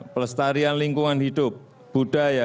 pelestarian lingkungan hidup budaya